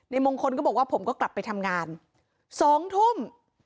มงคลก็บอกว่าผมก็กลับไปทำงาน๒ทุ่ม